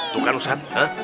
tuh kan ustadz